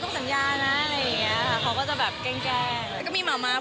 สัญญาณต้องสัญญาณนะอะไรอย่างนี้ค่ะ